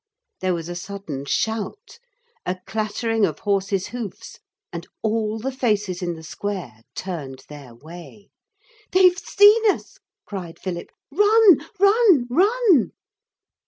There was a sudden shout, a clattering of horses' hoofs, and all the faces in the square turned their way. 'They've seen us,' cried Philip. 'Run, run, run!'